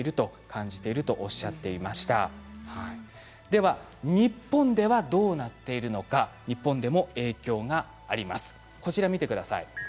では日本ではどうなっているのか日本でも影響があります。